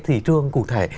thì trường cụ thể